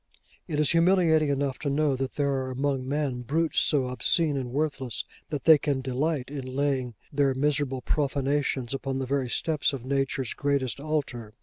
It is humiliating enough to know that there are among men brutes so obscene and worthless, that they can delight in laying their miserable profanations upon the very steps of Nature's greatest altar.